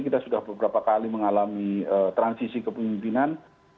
kita sudah beberapa kali mengalami transisi kepemimpinan